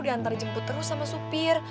jadi aku diantar jemput terus sama supir